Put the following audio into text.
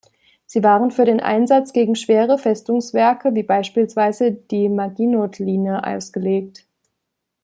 Sie waren für den Einsatz gegen schwere Festungswerke, wie beispielsweise die Maginotlinie ausgelegt.